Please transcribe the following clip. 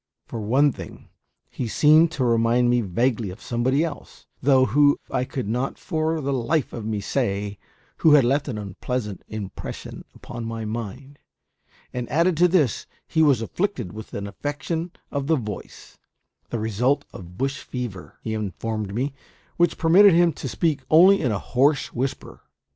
For one thing, he seemed to remind me vaguely of somebody else though who, I could not for the life of me say who had left an unpleasant impression upon my mind; and, added to this, he was afflicted with an affection of the voice the result of bush fever, he informed me which permitted him to speak only in a hoarse whisper.